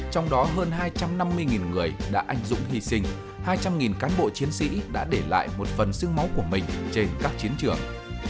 trong đó hơn hai trăm năm mươi người đã anh dũng hy sinh hai trăm linh cán bộ chiến sĩ đã để lại một phần sương máu của mình trên các chiến trường